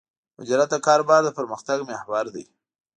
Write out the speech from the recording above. مدیریت د کاروبار د پرمختګ محور دی.